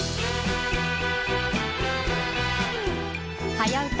「はやウタ」